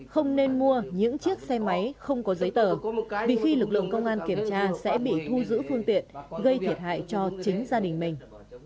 không nên mua những chiếc xe máy không có giấy tờ vì khi lực lượng công an kiểm tra sẽ bị thu giữ phương tiện gây thiệt hại cho chính gia đình mình